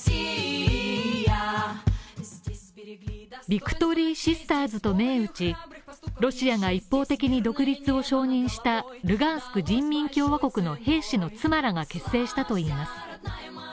ビクトリーシスターズと銘打ち、ロシアが一方的に独立を承認したルガンスク人民共和国の兵士の妻らが結成したといいます。